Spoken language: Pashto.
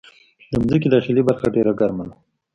د مځکې داخلي برخه ډېره ګرمه ده.